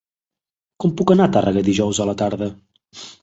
Com puc anar a Tàrrega dijous a la tarda?